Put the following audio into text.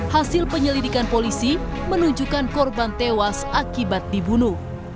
hasil penyelidikan polisi menunjukkan korban tewas akibat dibunuh